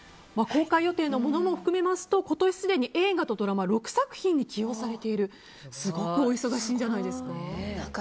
公開予定のものも含めますと今年すでに映画とドラマ６作品に起用されているすごくお忙しいんじゃないですか？